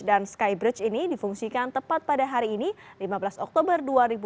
dan sky bridge ini difungsikan tepat pada hari ini lima belas oktober dua ribu delapan belas